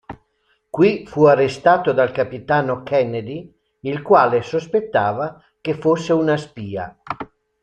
Qui fu arrestato dal capitano Kennedy, il quale sospettava che fosse una spia.